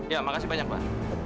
ya makasih banyak pak